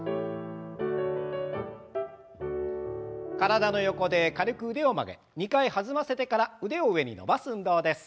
体の横で軽く腕を曲げ２回弾ませてから腕を上に伸ばす運動です。